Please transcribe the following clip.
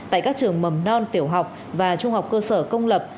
tại các trường mầm non tiểu học và trung học cơ sở công lập